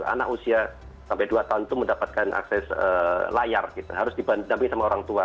anak usia sampai dua tahun itu mendapatkan akses layar gitu harus dibanding sama orang tua